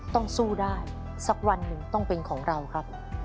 ต้องสู้ได้สักวันหนึ่งต้องเป็นของเราครับ